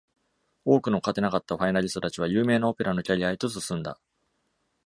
多くの勝てなかったファイナリスト達は有名なオペラのキャリアへと進んだ。